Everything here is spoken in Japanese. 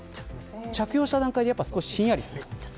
着用した段階でひんやりする。